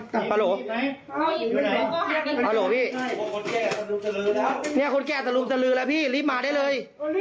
ฮัลโหลฮัลโหลพี่เนี่ยคนแก้สลุมสลือแล้วพี่รีบมาได้เลย